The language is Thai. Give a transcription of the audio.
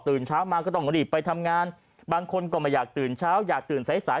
เช้ามาก็ต้องรีบไปทำงานบางคนก็ไม่อยากตื่นเช้าอยากตื่นสายสาย